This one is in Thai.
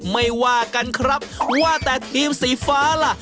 ไม่ว่ากันครับว่าแต่ทีมสีฟ้าล่ะ